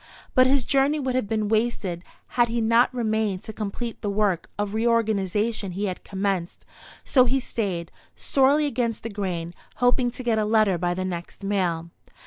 But his journey would have been wasted had he not remained to complete the work of reorganization he had commenced; so he stayed, sorely against the grain, hoping to get a letter by the next mail.